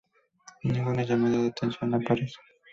Ninguna llamada de atención aparece